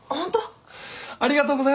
ありがとうございます！